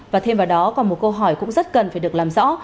và thêm vào đó còn một câu hỏi cũng rất cần phải được làm rõ